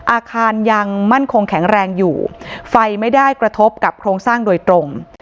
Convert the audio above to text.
อาคารยังมั่นคงแข็งแรงอยู่ไฟไม่ได้กระทบกับโครงสร้างโดยตรง